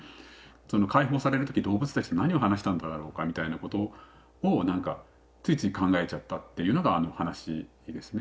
その解放される時動物たちと何を話したんだろうかみたいなことを何かついつい考えちゃったっていうのがあのお話ですね。